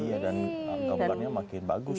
iya dan gambarnya makin bagus